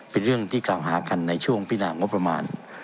เป็นเรื่องที่กล่าวหากันในช่วงพินางบประมาณ